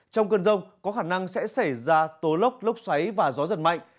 trong cơn rông có khả năng sẽ xảy ra tố lốc xoáy và gió giật mạnh